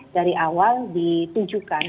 dari awal ditujukan